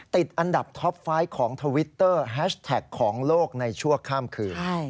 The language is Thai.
ติดอันดับท็อปไฟต์ของทวิตเตอร์แฮชแท็กของโลกในชั่วข้ามคืน